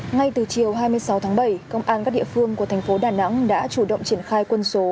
ngay từ chiều hai mươi sáu tháng bảy công an các địa phương của thành phố đà nẵng đã chủ động triển khai quân số